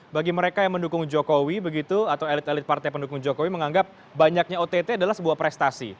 bagi mereka yang mendukung jokowi begitu atau elit elit partai pendukung jokowi menganggap banyaknya ott adalah sebuah prestasi